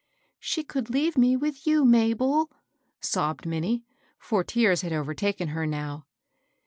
" She could leave me with you, Mabel," sobbed Minnie, — for tears had overtaken her now.